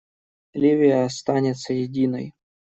Ливия останется единой.